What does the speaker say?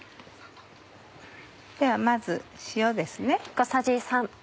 ではまず塩です。